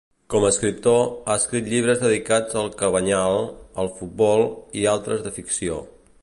Com a escriptor, ha escrit llibres dedicats al Cabanyal, al futbol i altres de ficció.